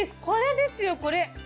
これですよこれ。